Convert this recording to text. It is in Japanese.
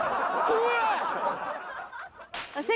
うわ。